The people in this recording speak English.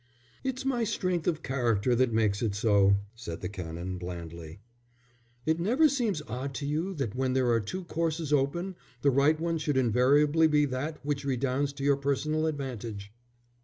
"It's my strength of character that makes it so," said the Canon, blandly. "It never seems odd to you that when there are two courses open, the right one should invariably be that which redounds to your personal advantage."